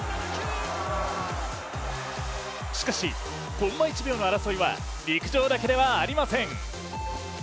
しかし、コンマ１秒の争いは陸上だけではありません。